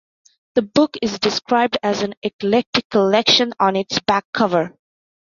The book is described as an "eclectic collection" on its back cover.